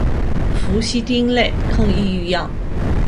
氟西汀类抗抑郁药。